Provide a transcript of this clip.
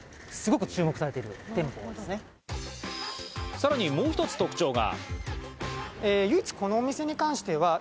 さらに、もう一つ特徴が。